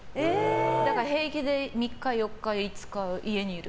だから平気で３日、４日５日家にいる。